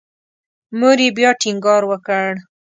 مور یې بیا ټینګار وکړ.